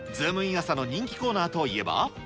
朝！の人気コーナーといえば。